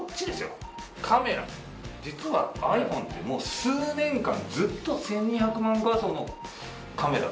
実はｉＰｈｏｎｅって数年間ずっと１２００万画素のカメラ。